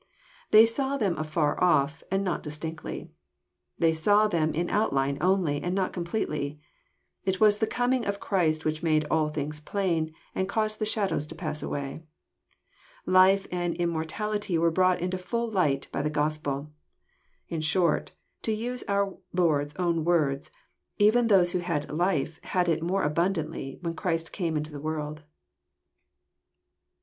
They saw them afar off, and not distinctly. They saw them in outline only, and not completely. It was the coming of Christ which made all things plain, and caused the shadows to pass away. Life and immortality were brought into full light by the Gospel. In short, to use our Lord's own words, even those who had life had it *' more abundantly," when Christ came into the world.